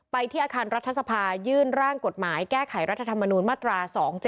ที่อาคารรัฐสภายื่นร่างกฎหมายแก้ไขรัฐธรรมนูญมาตรา๒๗